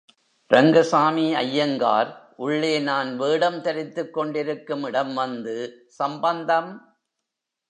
ரங்கசாமி ஐயங்கார் உள்ளே நான் வேடம் தரித்துக்கொண்டிருக்கும் இடம் வந்து, சம்பந்தம்!